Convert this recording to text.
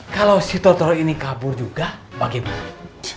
kalau si toto ini kabur juga bagaimana